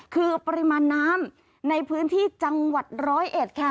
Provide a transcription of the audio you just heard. คือปริมาณน้ำในพื้นที่จังหวัดร้อยเอ็ดค่ะ